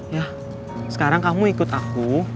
ya sekarang kamu ikut aku